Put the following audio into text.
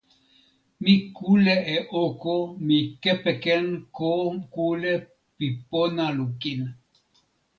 mi kule e oko mi kepeken ko kule pi pona lukin.